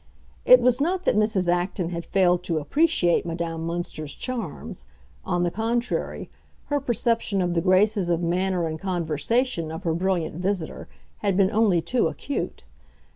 It was not that Mrs. Acton had failed to appreciate Madame Münster's charms; on the contrary, her perception of the graces of manner and conversation of her brilliant visitor had been only too acute.